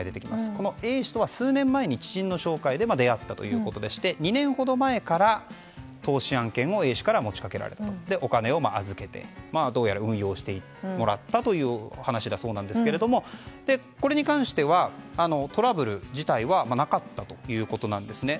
このＡ氏とは数年前に知人の紹介で出会ったということで２年ほど前から投資案件をＡ氏から持ち掛けられてお金を預けて運用してもらったという話だそうですがこれに関してはトラブル自体はなかったということなんですね。